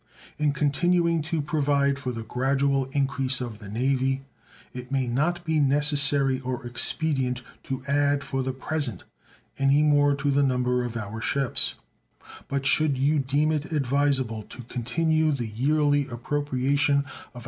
In continuing to provide for the gradual increase of the Navy it may not be necessary or expedient to add for the present any more to the number of our ships; but should you deem it advisable to continue the yearly appropriation of $0.